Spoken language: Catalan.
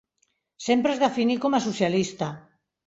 Sempre es definí com a socialista.